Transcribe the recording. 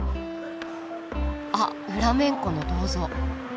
あっフラメンコの銅像。